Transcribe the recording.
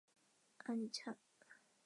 阿里恰。